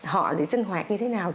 họ sẽ sinh hoạt như thế nào